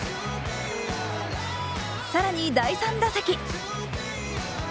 更に第３打席。